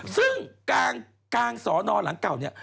ซึ่งกลางสอนอนหนองแขมหลังเก่า